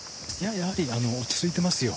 やはり落ち着いていますよ。